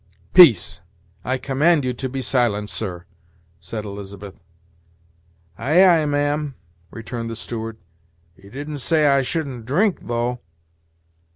"Peace I command you to be silent, sir!" said Elizabeth. "Ay, ay, ma'am," returned the steward. "You didn't say I shouldn't drink, though."